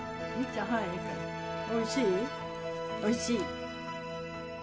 おいしい？